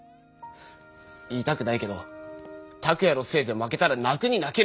言いたくないけどタクヤのせいで負けたら泣くに泣けないよ！